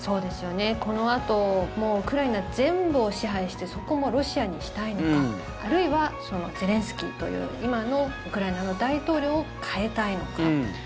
このあとウクライナ全部を支配してそこもロシアにしたいのかあるいはゼレンスキーという今のウクライナの大統領を代えたいのか。